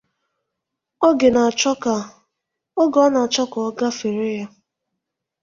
oge ọ na-achọ ka ọ gbafere ya